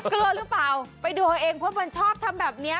กลัวหรือเปล่าไปดูเอาเองเพราะมันชอบทำแบบนี้